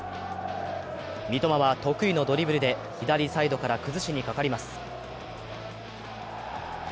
三笘は得意のドリブルで左サイドから崩しにかかります。